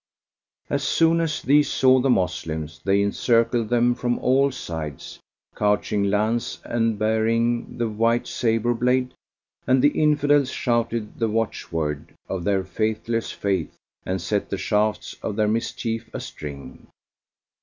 As soon as these saw the Moslems they encircled them from all sides, couching lance and baring the white sabre blade; and the Infidels shouted the watch word of their faithless Faith and set the shafts of their mischief astring.